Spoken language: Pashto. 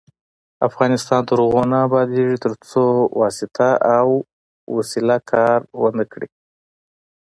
افغانستان تر هغو نه ابادیږي، ترڅو واسطه او وسیله کار ونه کړي.